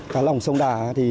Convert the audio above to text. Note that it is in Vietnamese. cá lồng sông đà thì